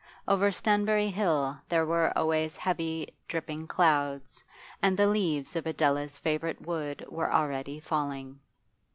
Over Stanbury Hill there were always heavy, dripping clouds, and the leaves of Adela's favourite wood were already falling.